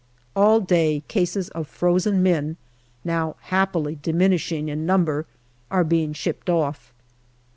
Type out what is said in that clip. All day cases of frozen men, now happily diminishing in number, are being shipped off.